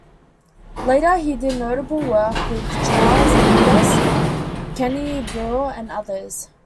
Later he did notable work with Charles Mingus, Kenny Burrell, and others.